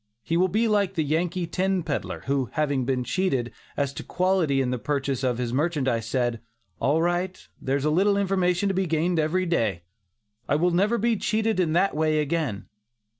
He will be like the Yankee tin peddler, who, having been cheated as to quality in the purchase of his merchandise, said: "All right, there's a little information to be gained every day; I will never be cheated in that way again."